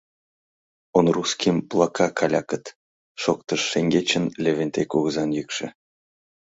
— Он русским плока калякыт, — шоктыш шеҥгечын Левентей кугызан йӱкшӧ.